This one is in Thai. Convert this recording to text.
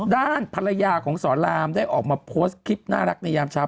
ด้านภรรยาของสอนรามได้ออกมาโพสต์คลิปน่ารักในยามเช้า